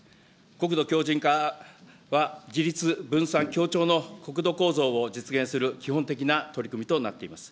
国土強じん化は自立、分散、協調の国土構造を実現する、基本的な取り組みとなっています。